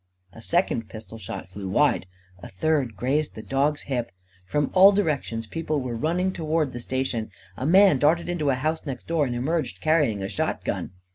A second pistol shot flew wide. A third grazed the dog's hip. From all directions people were running towards the station. A man darted into a house next door, and emerged carrying a shotgun.